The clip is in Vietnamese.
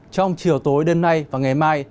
trong chiều tối đêm nay và ngày mai